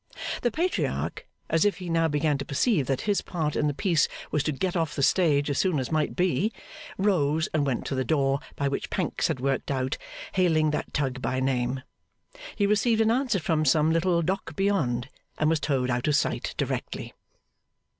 The Patriarch, as if he now began to perceive that his part in the piece was to get off the stage as soon as might be, rose, and went to the door by which Pancks had worked out, hailing that Tug by name. He received an answer from some little Dock beyond, and was towed out of sight directly.